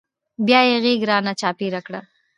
بيا يې غېږ رانه چاپېره کړه.